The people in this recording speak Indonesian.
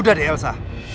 udah deh elsa